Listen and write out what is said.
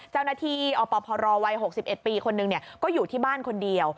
เจ้าหน้าที่อพรวัย๖๑ปีคนหนึ่งก็อยู่ที่บ้านคนเดียว